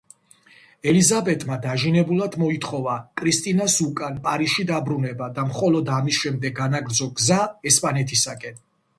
ელიზაბეტმა დაჟინებულად მოითხოვა კრისტინას უკან, პარიზში დაბრუნება და მხოლოდ ამის შემდეგ განაგრძო გზა ესპანეთისაკენ.